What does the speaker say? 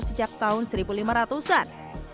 masukkan sohor sejak tahun seribu lima ratus an